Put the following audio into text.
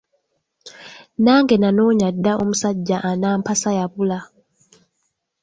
Nange nanoonya dda omusajja anampasa yabula.